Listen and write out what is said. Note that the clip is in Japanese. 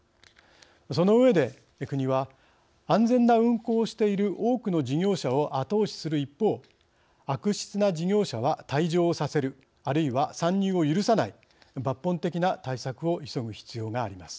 その上で国は安全な運航をしている多くの事業者を後押しする一方悪質な事業者は退場させるあるいは参入を許さない抜本的な対策を急ぐ必要があります。